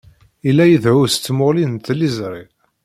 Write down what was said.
Yella idehhu s tmuɣli n tliẓri.